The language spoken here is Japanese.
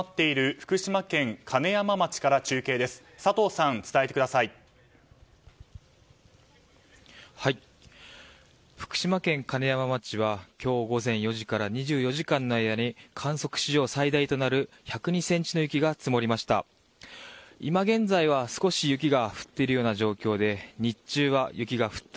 福島県金山町は今日午前４時から２４時間の間に観測史上最大となる１０２ｃｍの雪が積もりました。